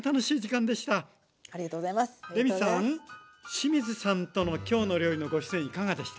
清水さんとの「きょうの料理」のご出演いかがでした？